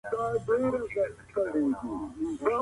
افغانستان په نړیوالو غونډو کي اغېزمنه ونډه نه اخلي.